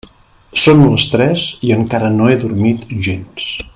Són les tres i encara no he dormit gens.